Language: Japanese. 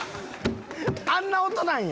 あんな音なんや。